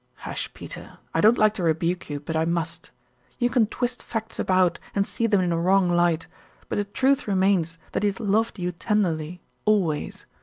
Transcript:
"Hush, Peter. I don't like to rebuke you, but I must. You can twist facts about and see them in a wrong light, but the truth remains that he has loved you tenderly always.